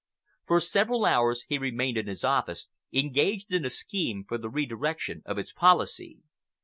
For several hours he remained in his office, engaged in a scheme for the redirection of its policy.